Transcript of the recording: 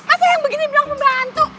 masa yang begini bilang membantu